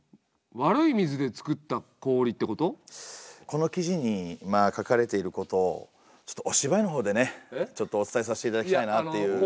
この記事に書かれていることをちょっとお芝居の方でねちょっとお伝えさして頂きたいなっていう。